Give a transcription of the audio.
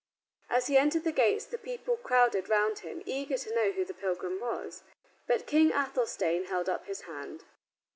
As he entered the gates the people crowded round him, eager to know who the pilgrim was. But King Athelstane held up his hand.